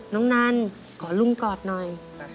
น้องนันขอลุ้มกอดหน่อย